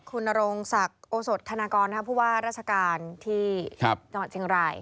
คุณนรงศักดิ์โอสดธนากรผู้ว่าราชการที่จังหวัดเชียงราย